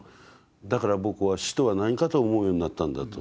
「だから僕は死とは何かと思うようになったんだ」と。